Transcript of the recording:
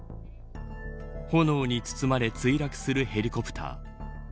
炎に包まれ墜落するヘリコプター。